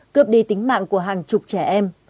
cướp đi tính mạng của hàng chục trẻ em